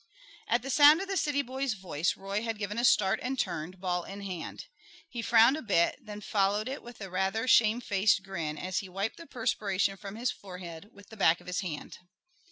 At the sound of the city boy's voice Roy had given a start and turned, ball in hand. He frowned a bit, then followed it with a rather shame faced grin, as he wiped the perspiration from his forehead with the back of his hand.